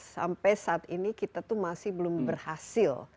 sampai saat ini kita tuh masih belum berhasil